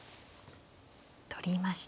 取りました。